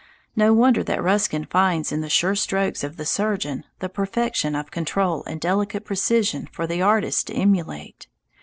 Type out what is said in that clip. No wonder that Ruskin finds in the sure strokes of the surgeon the perfection of control and delicate precision for the artist to emulate.